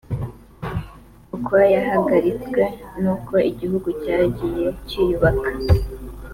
uko yahagaritswe n’uko igihugu cyagiye cyiyubaka